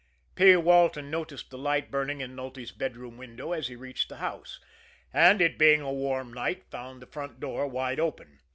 P. Walton noticed the light burning in Nulty's bedroom window as he reached the house; and, it being a warm night, found the front door wide open.